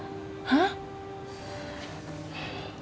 aku takut kecewa lagi